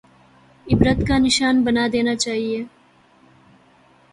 عبرت کا نشان بنا دینا چاہیے؟